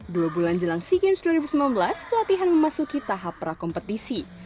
dua bulan jelang sea games dua ribu sembilan belas pelatihan memasuki tahap prakompetisi